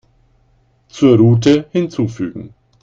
Zur Route hinzufügen.